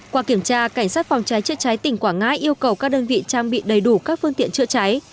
qua kiểm tra cảnh sát phòng cháy chữa cháy tỉnh quảng ngãi yêu cầu các đơn vị trang bị đầy đủ các phương tiện chữa cháy